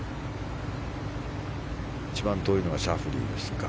一番遠いのがシャフリーですか。